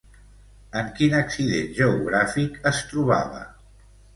En quin accident geogràfic es trobava?